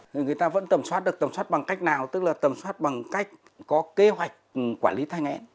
người ta vẫn tầm soát được tầm soát bằng cách nào tức là tầm soát bằng cách có kế hoạch quản lý thai nghẽn